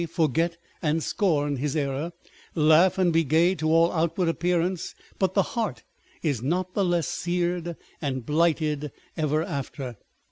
forget and scorn his error, laugh and be gay to all outward appearance, but the heart is not the less seared and blighted ever after.